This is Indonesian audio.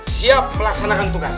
siap melaksanakan tugas